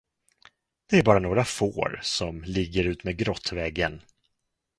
Det är bara några får, som ligger utmed grottväggen.